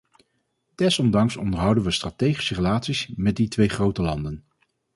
Desondanks onderhouden we strategische relaties met die twee grote landen.